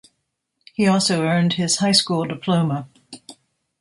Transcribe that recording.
He also earned his high school diploma.